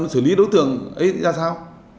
sử lý đối tượng ấy ra sao